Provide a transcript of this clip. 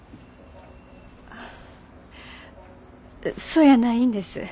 あそやないんです。